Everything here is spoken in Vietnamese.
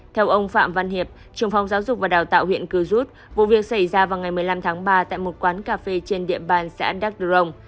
theo ông phạm văn hiệp trường phòng giáo dục và đào tạo huyện cửu rút vụ việc xảy ra vào ngày một mươi năm tháng ba tại một quán cà phê trên địa bàn xã đắc đồng